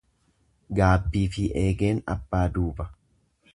Gaabbifi eegeen abbaa duuba.